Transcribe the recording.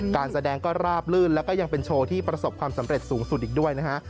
การแสดงก็ราบลื่นแล้วก็ยังเป็นโชว์ที่ประสบความสำเร็จสูงสุดอีกด้วยนะฮะ